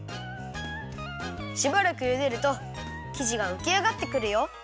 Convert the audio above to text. しばらくゆでるときじがうきあがってくるよ。